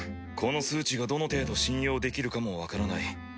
この数値がどの程度信用できるかもわからない。